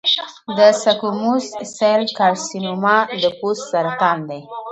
د سکوموس سیل کارسینوما د پوست سرطان دی.